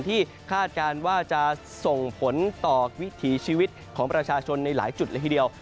คาดการณ์ว่าจะส่งผลต่อวิถีชีวิตของประชาชนในหลายจุดละทีเดียว